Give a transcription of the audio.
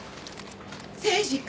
・誠治君。